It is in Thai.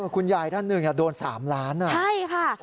คุณยายท่านหนึ่งโดน๓ล้านใช่ค่ะ